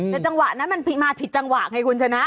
ในจังหวะนั้นมันมาผิดจังหวะไงคุณฉะนั้น